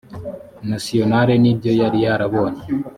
nationale n ibyo yari yarabonye